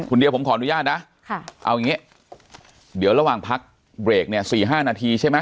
เดี๋ยวผมขออนุญาตนะเอาอย่างนี้เดี๋ยวระหว่างพักเบรกเนี่ย๔๕นาทีใช่ไหม